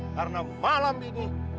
karena malam ini